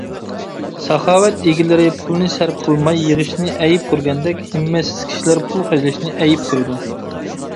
ساخاۋەت ئىگىلىرى پۇلنى سەرپ قىلماي يىغىشنى ئەيىب كۆرگەندەك، ھىممەتسىز كىشىلەر پۇل خەجلەشنى ئەيىب كۆرىدۇ.